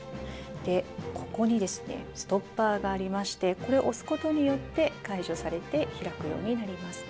でここにですねストッパーがありましてこれを押すことによって解除されて開くようになります。